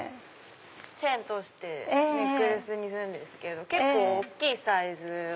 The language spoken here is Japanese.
チェーン通してネックレスにするんですけど結構大きいサイズ。